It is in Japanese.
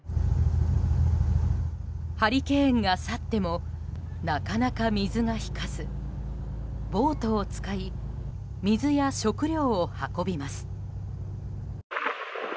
ハリケーンが去ってもなかなか水が引かずボートを使い水や食料を運びます。